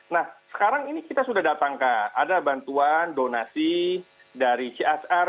nah sekarang ini kita sudah datangkan ada bantuan donasi dari csr